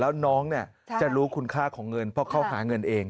แล้วน้องจะรู้คุณค่าของเงินเพราะเขาหาเงินเอง